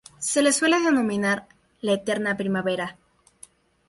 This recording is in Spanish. Se le suele denominar "la eterna primavera".